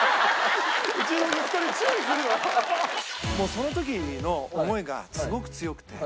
その時の思いがすごく強くて。